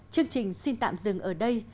chương trình xin tạm dừng ở đây